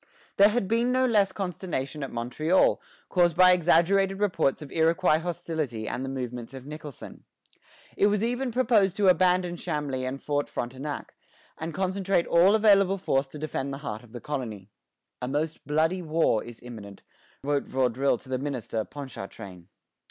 There had been no less consternation at Montreal, caused by exaggerated reports of Iroquois hostility and the movements of Nicholson. It was even proposed to abandon Chambly and Fort Frontenac, and concentrate all available force to defend the heart of the colony. "A most bloody war is imminent," wrote Vaudreuil to the minister, Ponchartrain.